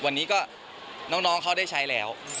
วันนี้ก็น้องเขาได้ใช้แล้ว